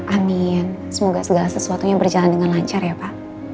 amin semoga segala sesuatunya berjalan dengan lancar ya pak